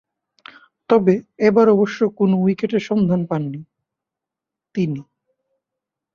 তবে, এবার অবশ্য কোন উইকেটের সন্ধান পাননি তিনি।